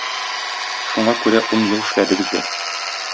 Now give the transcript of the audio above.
Шуңа күрә ун ел эшләдегез дә!